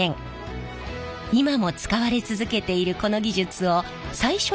今も使われ続けているこの技術を最初に開発したのが実は。